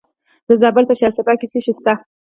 د زابل په شهر صفا کې څه شی شته؟